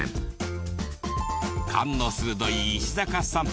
勘の鋭い石坂さん